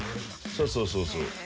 そうそうそうそう。